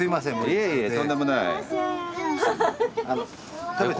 いえいえとんでもない。